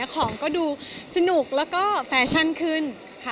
ของก็ดูสนุกแล้วก็แฟชั่นขึ้นค่ะ